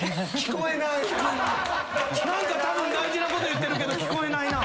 たぶん大事なこと言ってるけど聞こえないな。